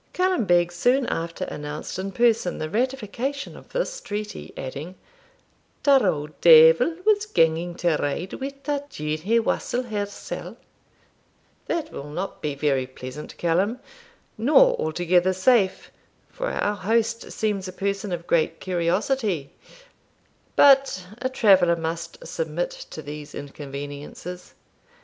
Callum Beg soon after announced in person the ratification of this treaty, adding, 'Ta auld deevil was ganging to ride wi' ta duinhe wassel hersell.' 'That will not be very pleasant, Callum, nor altogether safe, for our host seems a person of great curiosity; but a traveller must submit to these inconveniences.